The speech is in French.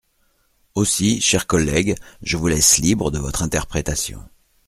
Aussi, chers collègues, je vous laisse libre de votre interprétation.